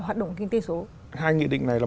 hoạt động kinh tế số hai nghị định này là